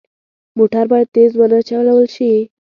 موټر باید تېز نه وچلول شي.